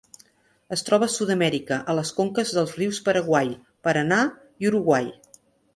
Es troba a Sud-amèrica, a les conques dels rius Paraguai, Paranà i Uruguai.